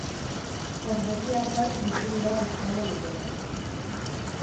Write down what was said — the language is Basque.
Ordoki hartan bizi dira biztanle gehienak.